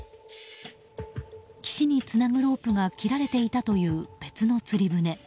岸につなぐロープが切られていたという別の釣り船。